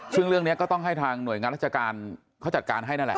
ซึ่งเรื่องนี้ก็ต้องให้ทางหน่วยงานราชการเขาจัดการให้นั่นแหละ